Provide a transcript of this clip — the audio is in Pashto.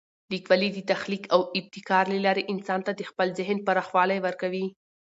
لیکوالی د تخلیق او ابتکار له لارې انسان ته د خپل ذهن پراخوالی ورکوي.